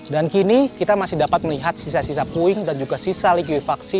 dan kini kita masih dapat melihat sisa sisa puing dan juga sisa liku vaksin